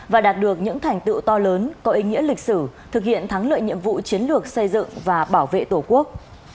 và đạt được những thành tựu to lớn có ý nghĩa lịch sử thực hiện thắng lợi nhiệm vụ chiến lược xây dựng và bảo vệ tổ quốc